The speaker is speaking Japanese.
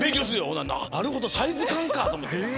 なるほどサイズ感か！と思って。